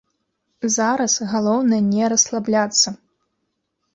Зараз галоўнае не расслабляцца.